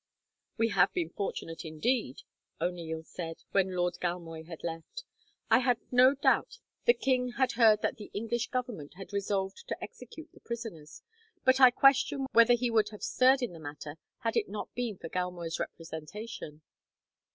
"We have been fortunate, indeed," O'Neil said, when Lord Galmoy had left. "I have no doubt the king had heard that the English Government had resolved to execute the prisoners, but I question whether he would have stirred in the matter, had it not been for Galmoy's representation."